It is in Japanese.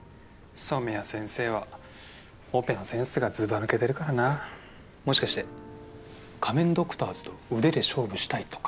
染谷先生はオペのセンスがずばぬけてるからなもしかして仮面ドクターズと腕で勝負したいとか？